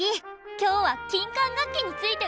今日は金管楽器について教えてよ！